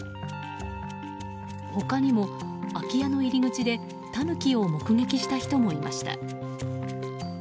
他にも空き家の入り口でタヌキを目撃した人もいました。